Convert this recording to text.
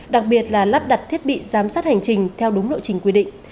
đặc biệt là lắp đặt thiết bị giám sát hành trình theo đúng lộ trình quy định